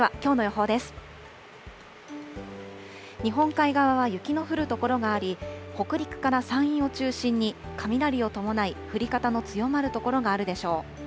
日本海側は雪の降る所があり、北陸から山陰を中心に、雷を伴い、降り方の強まる所があるでしょう。